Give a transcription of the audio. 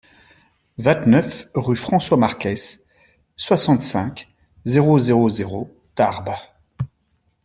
vingt-neuf rue François Marquès, soixante-cinq, zéro zéro zéro, Tarbes